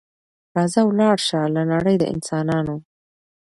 راځه ولاړ سه له نړۍ د انسانانو